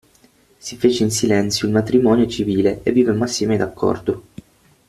Si fece in silenzio il matrimonio civile e vivemmo assieme d'accordo.